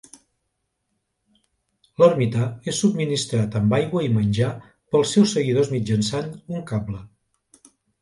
L'ermità és subministrat amb aigua i menjar pels seus seguidors mitjançant un cable.